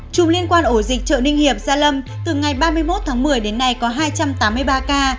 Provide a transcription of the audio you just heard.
chung liên quan ổ dịch chợ ninh hiệp gia lâm từ ngày ba mươi một tháng một mươi đến nay có hai trăm tám mươi ba ca